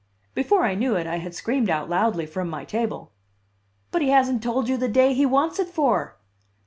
Before I knew it I had screamed out loudly from my table: "But he hasn't told you the day he wants it for!"